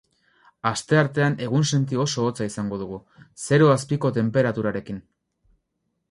Asteartean egunsenti oso hotza izango dugu, zero azpiko tenperaturarekin.